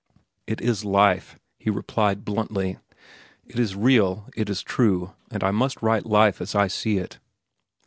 "It is life," he replied bluntly. "It is real. It is true. And I must write life as I see it."